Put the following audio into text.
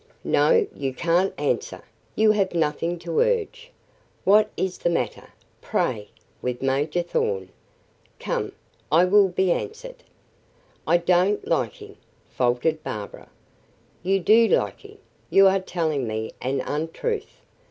"No; you can't answer; you have nothing to urge. What is the matter, pray, with Major Thorn? Come, I will be answered." "I don't like him," faltered Barbara. "You do like him; you are telling me an untruth.